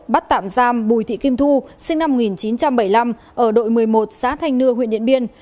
bắt tạm giam bùi thị kim thu sinh năm một nghìn chín trăm bảy mươi năm ở đội một mươi một xã thanh nưa huyện điện biên